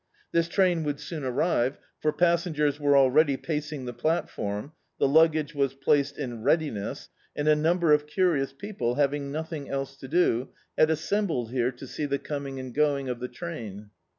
This train would soon arrive, for passengers were already pacing the platform, the luggage was placed in readiness, and a number of curious people, having nothing else to do, had assembled here to see the D,i.,.db, Google The Autobiography of a Super Tramp ctnnmg and going of the train.